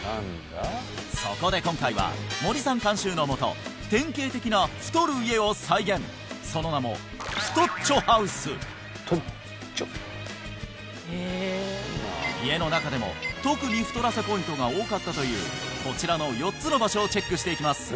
そこで今回は森さん監修のもと典型的な太る家を再現その名も「太っちょハウス」家の中でも特に太らせポイントが多かったというこちらの４つの場所をチェックしていきます